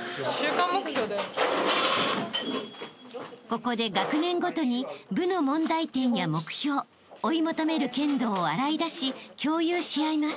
［ここで学年ごとに部の問題点や目標追い求める剣道を洗い出し共有し合います］